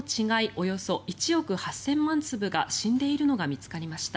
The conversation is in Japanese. およそ１億８０００万粒が死んでいるのが見つかりました。